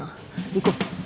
行こう。